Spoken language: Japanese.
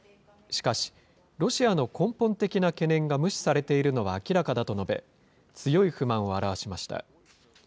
しかし、ロシアの根本的な懸念が無視されているのは明らかだと述べ、強い不満を表しました。